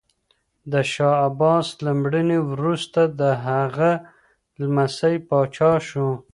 د شاه عباس له مړینې وروسته د هغه لمسی پاچا شو.